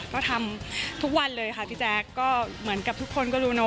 ก็ทำทุกวันเลยค่ะพี่แจ๊คก็เหมือนกับทุกคนก็รู้เนอ